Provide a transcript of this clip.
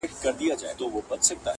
o د بې عقلانو جواب پټه خوله دئ!